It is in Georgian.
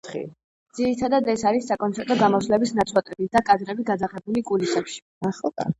ძირითადად ეს არის საკონცერტო გამოსვლების ნაწყვეტები და კადრები, გადაღებული კულისებში.